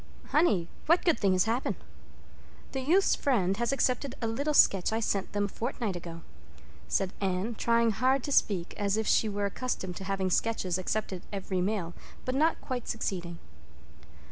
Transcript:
"Honey, what good thing has happened?" "The Youth's Friend has accepted a little sketch I sent them a fortnight ago," said Anne, trying hard to speak as if she were accustomed to having sketches accepted every mail, but not quite succeeding.